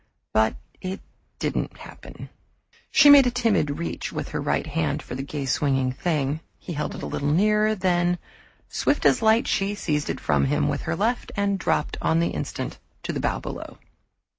But it didn't happen. She made a timid reach with her right hand for the gay swinging thing he held it a little nearer then, swift as light, she seized it from him with her left, and dropped on the instant to the bough below.